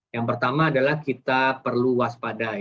yang pertama adalah kita perlu waspadai